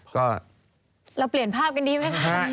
ก็เราเปลี่ยนภาพกันดีไหมคะ